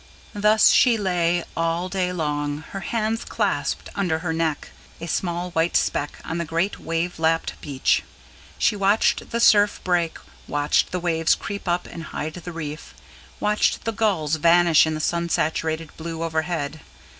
Thus she lay, all day long, her hands clasped under her neck, a small white speck on the great wave lapped beach. She watched the surf break, watched the waves creep up and hide the reef, watched the gulls vanish in the sun saturated blue overhead.